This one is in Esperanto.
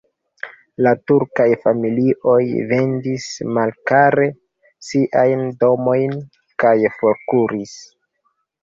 La turkaj familioj vendis malkare siajn domojn kaj forkuris.